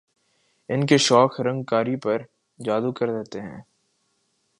ان کے شوخ رنگ قاری پر جادو کر دیتے ہیں